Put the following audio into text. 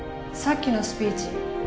さっきのスピーチ。